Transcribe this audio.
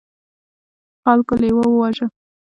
خلکو لیوه وواژه.